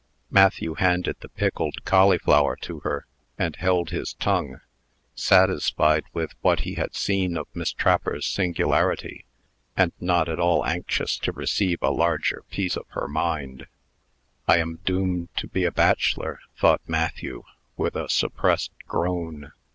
Matthew handed the pickled cauliflower to her, and held his tongue, satisfied with what he had seen of Miss Trapper's singularity, and not at all anxious to receive a larger piece of her mind. "I am doomed to be a bachelor," thought Matthew, with a suppressed groan.